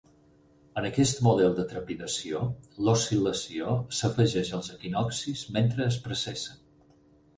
En aquest model de trepidació, l'oscil·lació s'afegeix als equinoccis mentre es precessen.